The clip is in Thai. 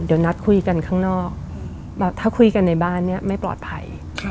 เดี๋ยวนัดคุยกันข้างนอกถ้าคุยกันในบ้านเนี่ยไม่ปลอดภัย